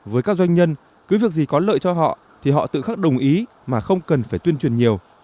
với các doanh nhân cứ việc gì có lợi cho họ thì họ tự khắc đồng ý mà không cần phải tuyên truyền nhiều